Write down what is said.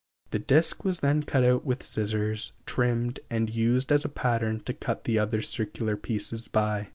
The disk was then cut out with scissors, trimmed, and used as a pattern to cut other circular pieces by.